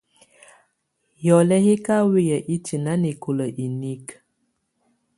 Yɔlɔ yɛ̀ ka wɛya itiǝ́ nanɛkɔla inikǝ.